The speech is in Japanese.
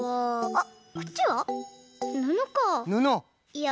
あっ！